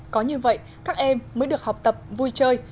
có như vậy các em mới được học tập vui chơi